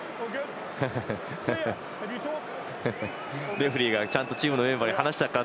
レフリーがちゃんとチームメンバーに話したか？